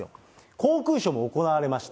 航空ショーも行われました。